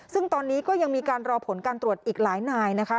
ซึ่งตอนนี้ก็ยังมีการรอผลการตรวจอีกหลายนายนะคะ